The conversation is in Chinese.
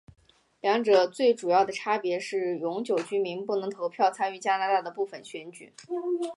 两者最主要的差别是永久居民不能投票参与加拿大的部分选举。